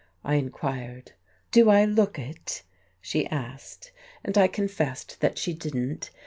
I inquired. "Do I look it?" she asked. And I confessed that she didn't.